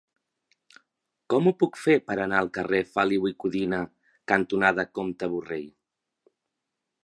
Com ho puc fer per anar al carrer Feliu i Codina cantonada Comte Borrell?